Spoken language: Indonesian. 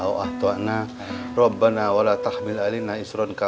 udah jangan merik